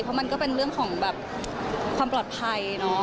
เพราะมันก็เป็นเรื่องของแบบความปลอดภัยเนอะ